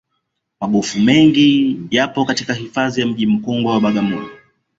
magofu mengi yapo katika hifadhi ya mji mkongwe wa bagamoyo